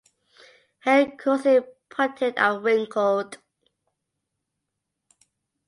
Head coarsely punctate and wrinkled.